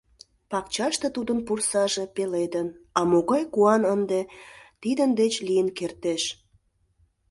Пакчаште тудын пурсаже пеледын, а могай куан ынде тидын деч лийын кертеш?